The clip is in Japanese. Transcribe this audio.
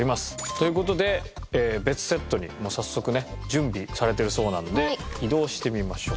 という事で別セットに早速ね準備されてるそうなので移動してみましょう。